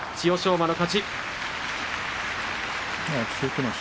馬の勝ち。